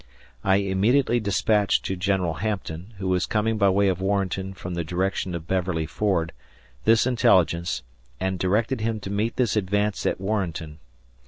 I immediately despatched to Gen. Hampton, who was coming by way of Warrenton from the direction of Beverly Ford, this intelligence, and directed him to meet this advance at Warrenton.